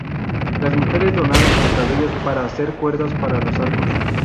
Las mujeres donaron sus cabellos para hacer cuerdas para los arcos.